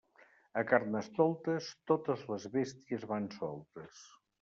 A Carnestoltes, totes les bèsties van soltes.